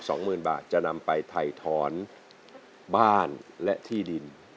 สองหมื่นบาทจะนำไปถ่ายถอนบ้านและที่ดิน